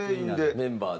メンバーで。